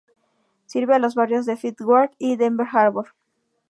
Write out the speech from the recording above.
Sirve a los barrios de Fifth Ward y Denver Harbor.